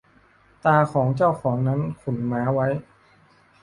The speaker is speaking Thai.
ตาของเจ้าของนั้นขุนม้าไว้